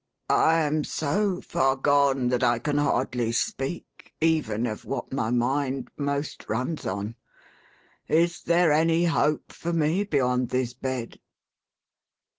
I am so far gone, that I can hardly speak, even of what my mind most runs on. Is there any hope for me beyond this bed